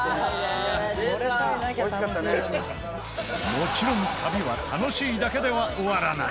もちろん、旅は楽しいだけでは終わらない！